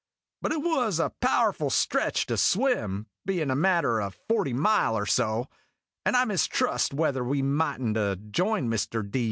But it was a powerful stretch to swim, bein' a matter o' forty mile or so ; and I mistrust whether we might n't 'a' joined Mr. D.